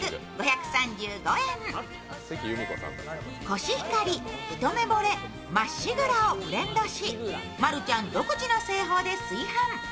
コシヒカリ、ひとめぼれ、まっしぐらをブレンドしマルちゃん独自の製法で炊飯。